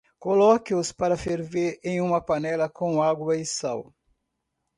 Coloque-os para ferver em uma panela com água e sal.